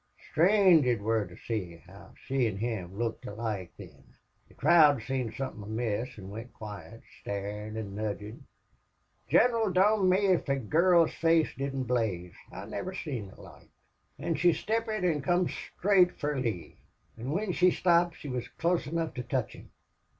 Sthrange it wor to see how she an' him looked alike thin. "The crowd seen somethin' amiss, an' went quiet, starin' an' nudgin'.... Gineral, dom' me if the gurl's face didn't blaze. I niver seen the loike. An' she sthepped an' come straight fer Lee. An' whin she sthopped she wuz close enough to touch him.